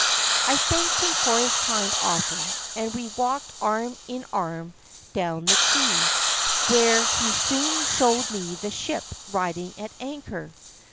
I thanked him for his kind offer, and we walked arm in arm down the quay, where he soon showed me the ship riding at anchor.